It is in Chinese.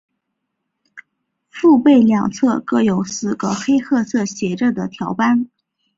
腹背两侧各有四个黑褐色斜着的条斑。